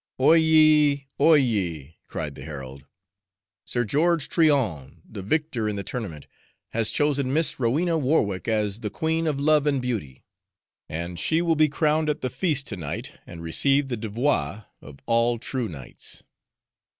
"Oyez! Oyez!" cried the herald; "Sir George Tryon, the victor in the tournament, has chosen Miss Rowena Warwick as the Queen of Love and Beauty, and she will be crowned at the feast to night and receive the devoirs of all true knights."